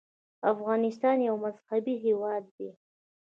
افغانستان یو مذهبي هېواد دی.